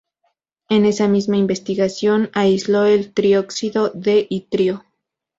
En esa misma investigación aisló el trióxido de itrio.